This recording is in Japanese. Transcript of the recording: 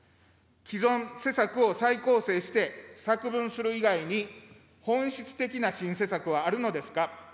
既存施策を再構成して作文する以外に、本質的な新施策はあるのですか。